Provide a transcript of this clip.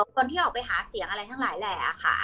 คนที่ออกไปหาเสียงอะไรทั้งหลายแหล่ค่ะ